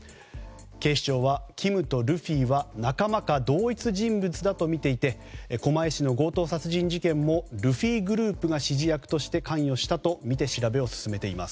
警視庁はキムとルフィは仲間か同一人物とみていて狛江市の強盗殺人事件もルフィグループが関与したとみて調べを進めています。